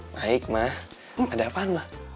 baik ma ada apaan mbak